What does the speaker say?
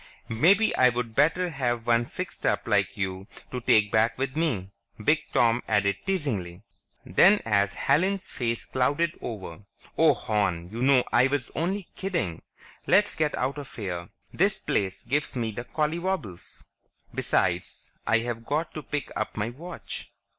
Maybe I'd better have one fixed up like you to take back with me," Big Tom added teasingly. Then as Helen's face clouded over, "Oh, hon, you know I was only kidding. Let's get out of here; this place gives me the collywobbles. Besides, I've got to pick up my watch."